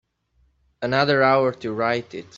Another hour to write it.